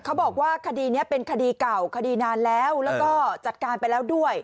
เขาบอกว่าคดีนี้เป็นคดีเก่าคดีนานแล้วแล้วก็จัดการไปแล้วด้วย